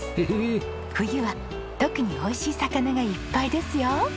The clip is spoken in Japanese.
冬は特に美味しい魚がいっぱいですよ！